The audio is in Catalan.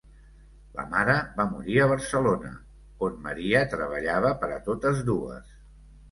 La mare va morir a Barcelona, on Maria treballava per a totes dues.